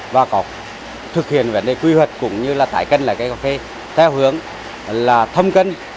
và có thực hiện vấn đề quy hoạch cũng như là tải cân lại cà phê theo hướng là thâm cân